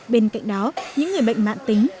bên cạnh đó những người bệnh mạng tính